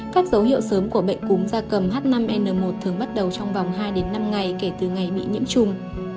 các dấu hiệu sớm của bệnh cúm da cầm h năm n một thường bắt đầu trong vòng hai năm ngày kể từ ngày bị nhiễm trùng